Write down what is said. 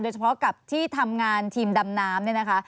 โดยเฉพาะครับที่ทำงานทีมทำนาม